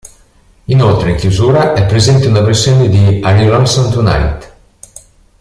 Inoltre in chiusura è presente una versione di "Are You Lonesome Tonight?